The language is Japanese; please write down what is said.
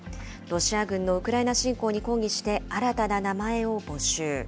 ロシア軍のウクライナ侵攻に抗議して、新たな名前を募集。